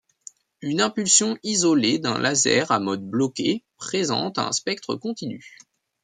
Une impulsion isolée d'un laser à modes bloqués présente un spectre continu.